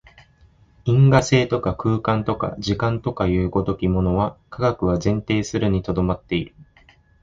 因果性とか空間とか時間とかという如きものは、科学は前提するに留まっている。